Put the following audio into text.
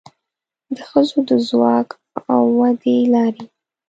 د ښځو د ځواک او ودې لارې